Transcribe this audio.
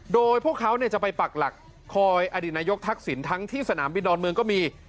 โดยพวกเขาจะไปปักหลักคอยอดีตนายกทักษิณทั้งที่สนามบินดอนเมืองก็มี